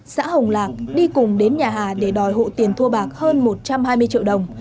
xã hồng lạc đi cùng đến nhà hà để đòi hộ tiền thu bạc hơn một trăm hai mươi triệu đồng